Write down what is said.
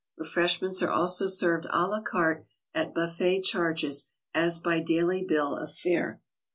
Refreshments are also served a la carte at buffet charges as by daily bill of fare.